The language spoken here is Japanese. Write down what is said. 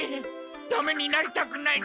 ダメになりたくない！